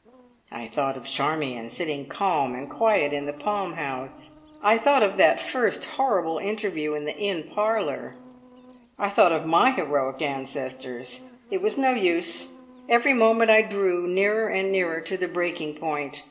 I thought of Charmion, sitting calm and quiet in the palm house; I thought of that first horrible interview in the inn parlour; I thought of my heroic ancestors. It was no use; every moment I drew, nearer and nearer to the breaking point.